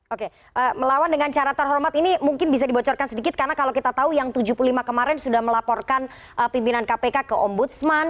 oke melawan dengan cara terhormat ini mungkin bisa dibocorkan sedikit karena kalau kita tahu yang tujuh puluh lima kemarin sudah melaporkan pimpinan kpk ke ombudsman